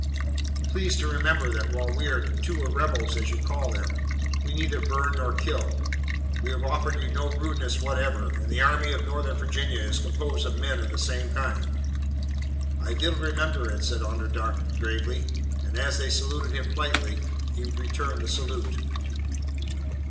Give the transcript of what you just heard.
"Please to remember that while we two are rebels, as you call them, we neither burn nor kill. We have offered you no rudeness whatever, and the Army of Northern Virginia is composed of men of the same kind." "I vill remember it," said Onderdonk gravely, and as they saluted him politely, he returned the salute.